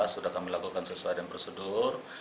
sudah kami lakukan sesuai dengan prosedur